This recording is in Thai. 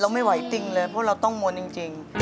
ไม่ไหวติ้งเลยเพราะเราต้องมนต์จริง